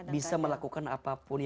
bisa melakukan apapun